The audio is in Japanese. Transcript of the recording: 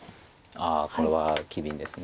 ああこれは機敏です。